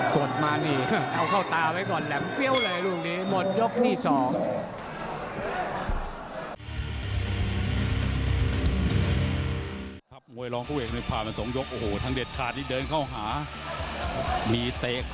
กดมานี่เอาเข้าตาไว้ก่อนแหลมเฟี้ยวเลยลูกนี้